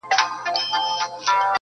د سېلیو هیبتناکه آوازونه٫